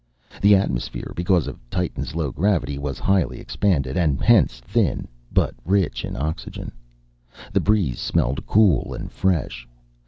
The atmosphere, because of Titan's low gravity, was highly expanded and hence thin, but rich in oxygen. The breeze smelled cool and fresh.